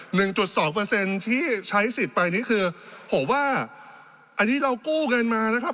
หนึ่งจุดสองเปอร์เซ็นต์ที่ใช้สิทธิ์ไปนี่คือผมว่าอันนี้เรากู้เงินมานะครับ